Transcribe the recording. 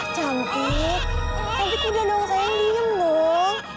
cantik cantik udah dong sayang diem dong